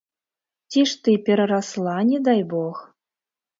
Ці ж ты перарасла, не дай бог!